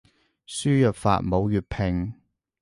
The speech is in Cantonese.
輸入法冇粵拼